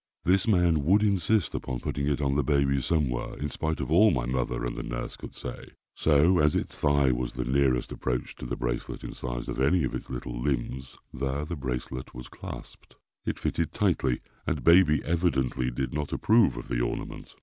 This man would insist upon putting it on the baby somewhere, in spite of all my mother and the nurse could say; so, as its thigh was the nearest approach to the bracelet in size of any of its little limbs, there the bracelet was clasped. It fitted tightly and baby evidently did not approve of the ornament.